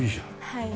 はい。